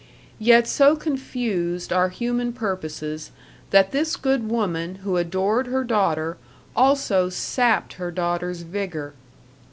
Yet so confused are human purposes that this good woman who adored her daughter also sapped her daughter's vigor.